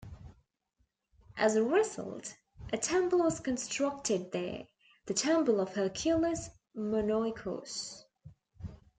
As a result, a temple was constructed there, the temple of Hercules Monoikos.